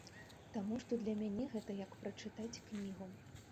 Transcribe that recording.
Таму што для мяне гэта як прачытаць кнігу.